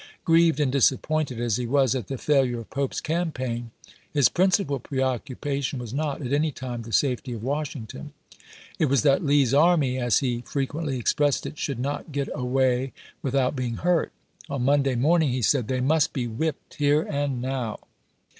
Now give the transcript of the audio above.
Grieved and disappointed as he was at the failure of Pope's campaign, his principal preoccupation was not at any time the safety of Washington. It was that Lee's army, as he frequently expressed it, " should not get away without being hui't." On Monday morning he said :" They must be whipped here and now.